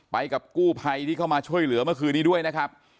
ไปกับกู้ภัยที่เข้ามาช่วยเหลือเมื่อคืนนี้ด้วยนะครับ